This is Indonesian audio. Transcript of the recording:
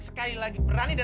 jelas tuar dia gila